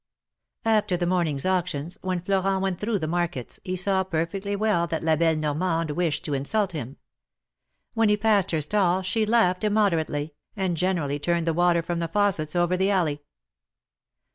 After the morning auctions, when Florent went through the markets, he saw perfectly well that La belle Normande wished to insult him. AVhen he passed her stall, she laughed immoderately, and generally turned the water from the faucets over the alley.